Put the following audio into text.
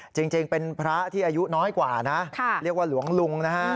จริงเป็นพระที่อายุน้อยกว่านะเรียกว่าหลวงลุงนะฮะ